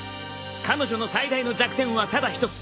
彼女の最大の弱点はただ一つ。